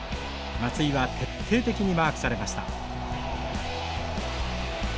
松井は徹底的にマークされました。